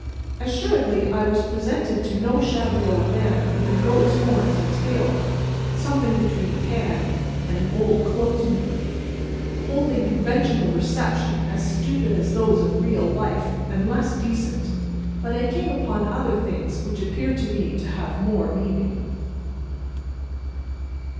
Assuredly, I was presented to no shabby old man with a goat's horns and tail (something between Pan and an old clothesman), holding conventional receptions, as stupid as those of real life and less decent; but, I came upon other things which appeared to me to have more meaning.